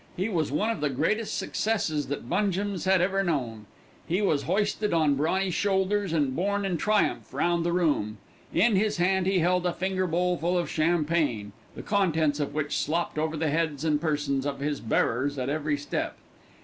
He was one of the greatest successes that Bungem's had ever known. He was hoisted on brawny shoulders and borne in triumph round the room. In his hand he held a finger bowl full of champagne, the contents of which slopped over the heads and persons of his bearers at every step.